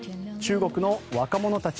中国の若者たち